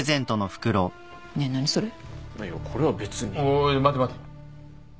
おーい待て待て。